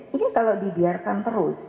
ini kalau dibiarkan terus